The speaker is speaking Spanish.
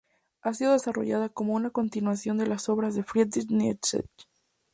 Ha sido desarrollada como una continuación de las obras de Friedrich Nietzsche.